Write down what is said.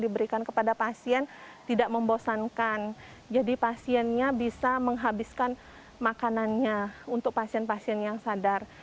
diberikan kepada pasien tidak membosankan jadi pasiennya bisa menghabiskan makanannya untuk pasien pasien yang sadar